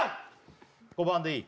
５番でいい？